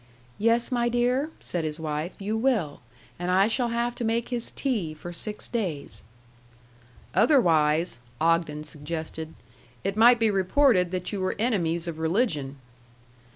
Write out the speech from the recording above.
"Yes, my dear," said his wife, "you will. And I shall have to make his tea for six days." "Otherwise," Ogden suggested, "it might be reported that you were enemies of religion."